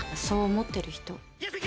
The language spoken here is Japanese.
「そう思ってる人」